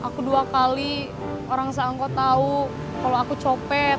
aku dua kali orang seangkot tahu kalau aku copet